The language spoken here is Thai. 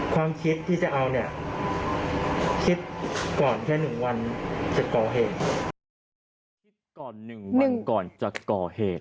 คิดก่อนหนึ่งวันก่อนจะก่อเหตุ